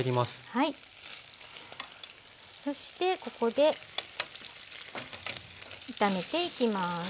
そしてここで炒めていきます。